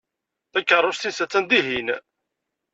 Takeṛṛust-nnes attan dihin.